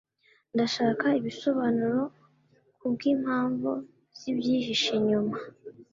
ndashaka ibisobanuro, kubwimpamvu zibyihishe inyuma